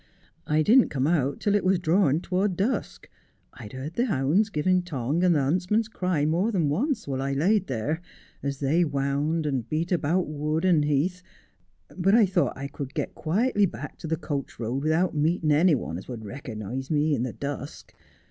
I didn't come out till it was drawing towards dusk. I'd heard the hounds giving tongue, and the huntsman's cry more than onca while I laid there, as they wound and beat about wood and heath, but I thought I could get quietly back to the coach road without meeting any one as would reckernise me in the dusk.